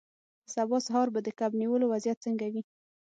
سبا سهار به د کب نیولو وضعیت څنګه وي